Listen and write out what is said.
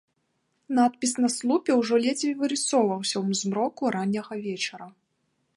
Надпіс на слупе ўжо ледзьве вырысоўваўся ў змроку ранняга вечара.